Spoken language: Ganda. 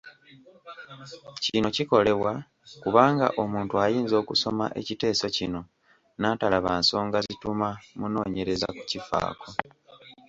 Kino kikolebwa kubanga omuntu ayinza okusoma ekiteeso kino n'atalaba nsonga zituma munoonyereza kukifaako.